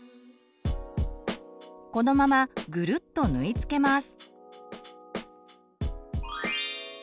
このままぐるっと縫い付けます。